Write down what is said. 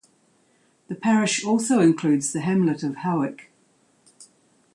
The parish also includes the hamlet of Howick.